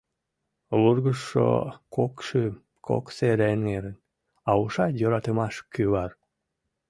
Вургыжшо кок шӱм —кок сер эҥерын, а уша йӧратымаш кӱвар.